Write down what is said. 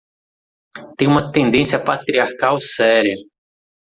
Tem uma tendência patriarcal séria